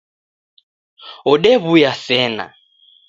Odew'uya sena